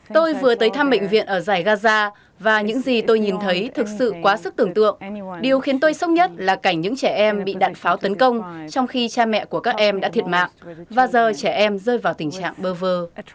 tôi vừa tới thăm bệnh viện ở giải gaza và những gì tôi nhìn thấy thực sự quá sức tưởng tượng điều khiến tôi sốc nhất là cảnh những trẻ em bị đạn pháo tấn công trong khi cha mẹ của các em đã thiệt mạng và giờ trẻ em rơi vào tình trạng bơ vơ